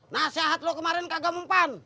nasihat loh kemarin kagak mempan